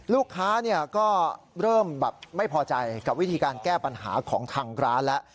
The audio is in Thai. ลูกค้าก็เริ่มแบบไม่พอใจกับวิธีการแก้ปัญหาของทางร้านแล้ว